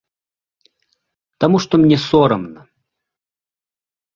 Таму што мне сорамна.